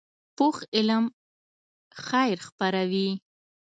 پوخ علم خیر خپروي